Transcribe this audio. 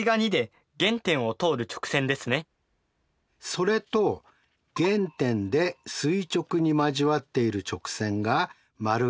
それと原点で垂直に交わっている直線が②で